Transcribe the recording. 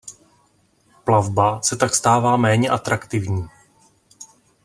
Plavba se tak stává méně atraktivní.